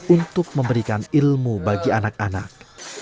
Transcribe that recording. untuk memberikan ilmu bagi anak anak